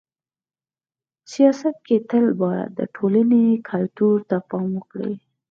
سیاست کي تل باید د ټولني کلتور ته پام وکړي.